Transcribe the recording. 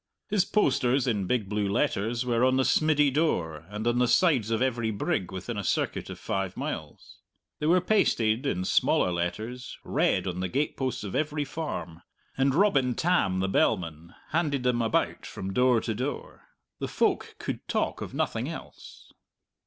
His posters, in big blue letters, were on the smiddy door and on the sides of every brig within a circuit of five miles; they were pasted, in smaller letters, red on the gateposts of every farm; and Robin Tam, the bellman, handed them about from door to door. The folk could talk of nothing else.